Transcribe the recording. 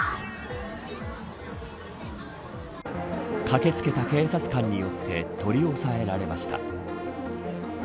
駆け付けた警察官によって取り押さえられました。